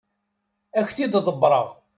Ad ak-t-id-ḍebbreɣ.